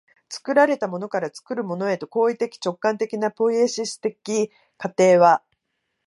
作られたものから作るものへとの行為的直観的なポイエシス的過程は